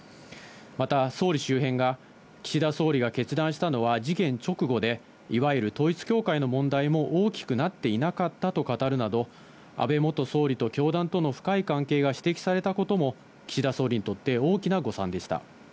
また総理周辺が岸田総理が決断したのは、事件直後で、いわゆる統一教会の問題も大きくなっていなかったと語るなど、安倍元総理と教団との深い関係が指摘されたことも岸田総理にとって大きな誤算でした。